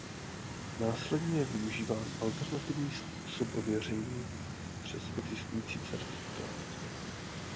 Následně je využíván alternativní způsob ověření přes existující certifikát.